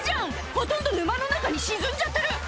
ほとんど沼の中に沈んじゃってる！